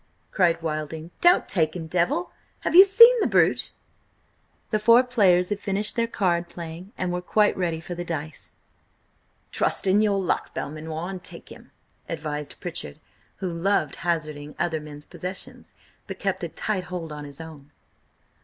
cried Wilding. "Don't take him, Devil! Have you seen the brute?" The four players had finished their card playing and were quite ready for the dice. "Trust in your luck, Belmanoir, and take him!" advised Pritchard, who loved hazarding other men's possessions, but kept a tight hold on his own.